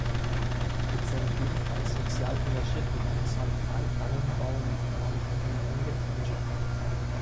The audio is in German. Mit seinem ebenfalls sozial engagierten Landsmann Frank Tannenbaum verband ihn eine enge Freundschaft.